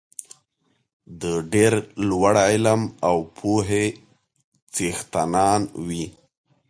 د ډېر لوړ علم او پوهې څښتنان وي.